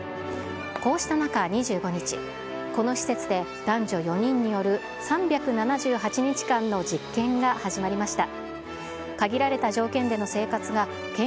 こうした中、２５日、この施設で男女４人による３７８日間の実験が始まりました。